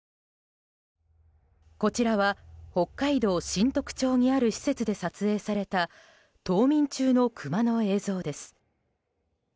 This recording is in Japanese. こちらは北海道新得町にある施設で撮影された冬眠中のクマの映像です。